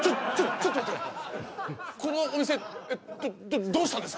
ちょっと待ってこのお店どどどうしたんですか？